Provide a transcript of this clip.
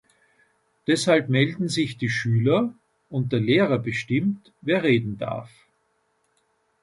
Deshalb melden sich die Schüler, und der Lehrer bestimmt, wer reden darf.